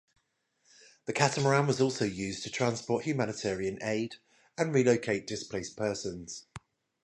The catamaran was also used to transport humanitarian aid, and relocate displaced persons.